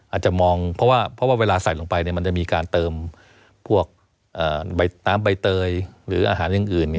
อาจจะมองเพราะว่าเวลาใส่ลงไปมันจะมีการเติมพวกน้ำใบเตยหรืออาหารอย่างอื่น